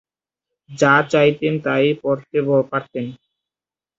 যা চাইতেন তাই পড়তে পারতেন।